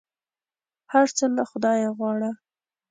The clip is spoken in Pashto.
هر څه له خدایه غواړه !